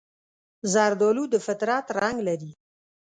زردالو د فطرت رنګ لري.